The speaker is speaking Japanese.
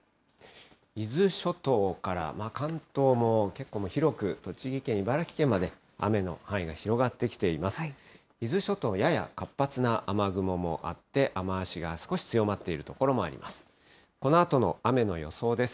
伊豆諸島から関東も結構広く、栃木県、茨城県まで雨の範囲が広がってきています。